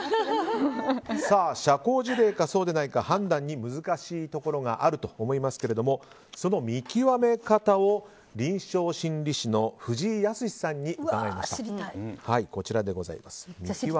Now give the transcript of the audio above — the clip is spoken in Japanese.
社交辞令かそうでないか判断に難しいところがあると思いますけれどもその見極め方を臨床心理士の藤井靖さんに伺いました。